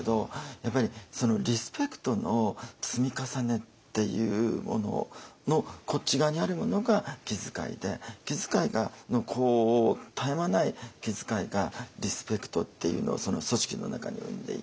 やっぱりリスペクトの積み重ねっていうもののこっち側にあるものが気遣いで気遣いの絶え間ない気遣いがリスペクトっていうのを組織の中に生んでいき